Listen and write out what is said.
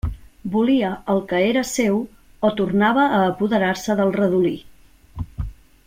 Volia el que era seu, o tornava a apoderar-se del redolí.